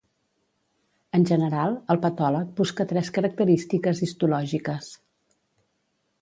En general, el patòleg busca tres característiques histològiques.